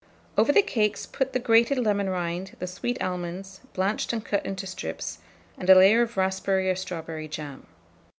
Over the cakes put the grated lemon rind, the sweet almonds, blanched and cut into strips, and a layer of raspberry or strawberry jam.